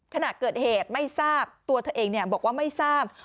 ขณะเกิดเหตุไม่ทราบตัวเธอเองบอกว่าไม่ทราบ